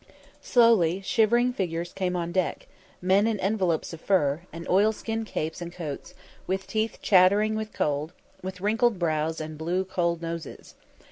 Slowly, shivering figures came on deck, men in envelopes of fur, and oilskin capes and coats, with teeth chattering with cold, with wrinkled brows, and blue cold noses.